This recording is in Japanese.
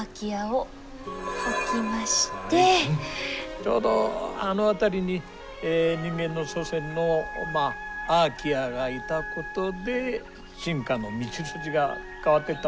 ちょうどあの辺りに人間の祖先のまあアーキアがいたことで進化の道筋が変わってったんですよ。